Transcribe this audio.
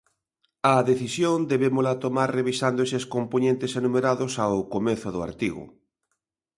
A decisión debémola tomar revisando eses compoñentes enumerados ao comezo do artigo.